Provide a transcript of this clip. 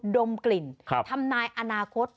ดมกลิ่นทำนายอนาคต